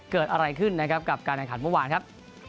เกิดอะไรขึ้นนะครับกับการแข่งขันเมื่อวานครับ